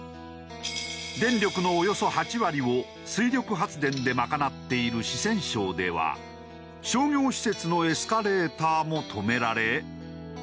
電力のおよそ８割を水力発電で賄っている四川省では商業施設のエスカレーターも止められ。